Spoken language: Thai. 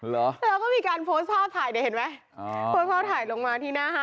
เหรอเธอก็มีการโพสต์ภาพถ่ายเนี่ยเห็นไหมโพสต์ภาพถ่ายลงมาที่หน้าห้าง